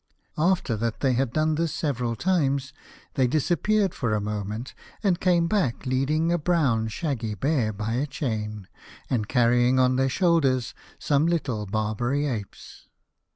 After that they had done this several times, they disappeared for a moment and came back leading a brown shaggy bear by a chain, and carrying on their shoulders some little Barbary apes.